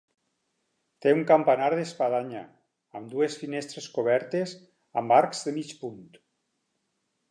Té un campanar d'espadanya amb dues finestres cobertes amb arcs de mig punt.